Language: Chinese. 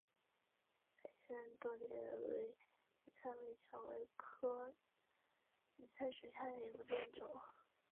矮生多裂委陵菜为蔷薇科委陵菜属下的一个变种。